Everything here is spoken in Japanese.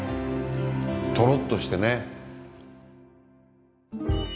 トロッとしてね。